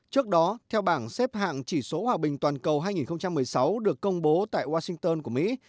trước đó theo bảng xếp hạng chỉ số hòa bình toàn cầu hai nghìn một mươi sáu được công bố tại washington của mỹ